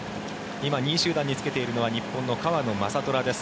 今、２位集団につけているのは日本の川野将虎です。